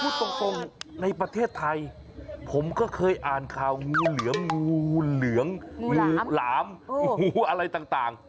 พูดตรงในประเทศไทยผมก็เคยอ่านข่าวงูเหลือมงูเหลืองงูหลามงูอะไรต่าง